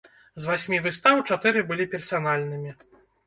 З васьмі выстаў чатыры былі персанальнымі.